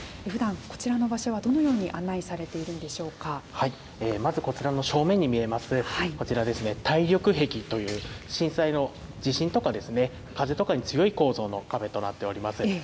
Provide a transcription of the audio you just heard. ふだん、こちらの場所はどのように案内されているのでしょうまず、こちらの正面に見えます、こちらですね、耐力壁という、震災の地震とか風とかに強い構造の壁となっております。